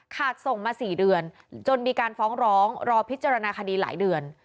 ส่งมา๔เดือนจนมีการฟ้องร้องรอพิจารณาคดีหลายเดือน